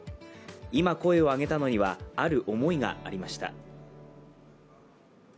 今、声を上げたのにはある思いがありました。